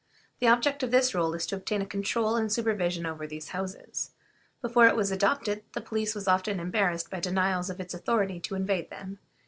The object of this rule is to obtain a control and supervision over these houses. Before it was adopted the police was often embarrassed by denials of its authority to invade them.